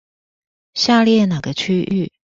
下列哪個區域